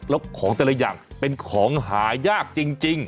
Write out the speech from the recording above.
แล้วของแต่ละอย่างเป็นของหายากจริง